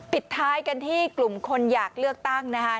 ปิดท้ายกันที่กลุ่มคนอยากเลือกตั้งนะคะ